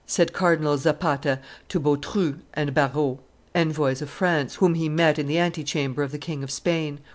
said Cardinal Zapata to Bautru and Barrault, envoys of France, whom he met in the antechamber of the King of Spain.